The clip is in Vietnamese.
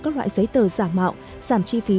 các loại giấy tờ giả mạo giảm chi phí